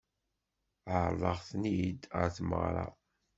Ɛeṛḍeɣ-tent-id ɣer tmeɣṛa.